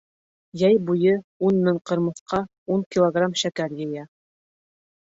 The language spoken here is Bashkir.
Йәй буйы ун мең ҡырмыҫҡа ун килограмм шәкәр йыя.